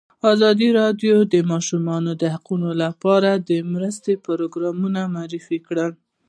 ازادي راډیو د د ماشومانو حقونه لپاره د مرستو پروګرامونه معرفي کړي.